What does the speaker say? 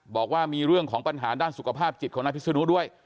บอกว่ามีเรื่องของปัญหาด้านสุขภาพจิตของนายพิศนุด้วย